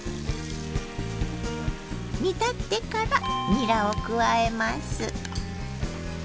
煮立ってからにらを加えます。